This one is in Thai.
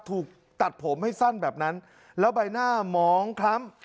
ถูกตัดผมให้สั้นแบบนั้นแล้วใบหน้าหมองคล้ำ